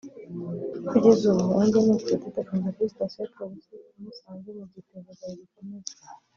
Kugeza ubu Ayingeneye Claudette afungiye kuri Station ya Polisi ya Musange mu gihe iperereza rigikomeza